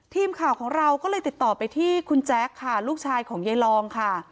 ทีมข่าวของเราก็เลยติดต่อไปที่คุณแจ๊คค่ะลูกชายของยายลองค่ะ